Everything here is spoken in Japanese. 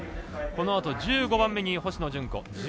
このあと１５番目に星野純子。